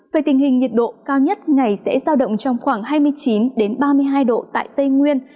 về tình hình nhiệt độ cao nhất ngày sẽ giao động trong khoảng hai mươi chín ba mươi hai độ tại tây nguyên